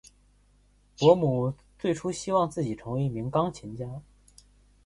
伯姆最初希望自己成为一名钢琴家。